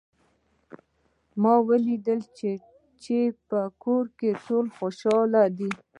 ما ولیدل چې په کور کې ټول خوشحال دي